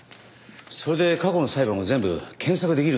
それで過去の裁判は全部検索できるんですよね？